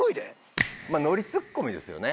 まあノリツッコミですよね。